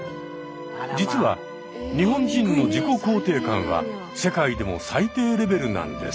実は日本人の自己肯定感は世界でも最低レベルなんです。